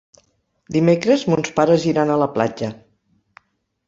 Dimecres mons pares iran a la platja.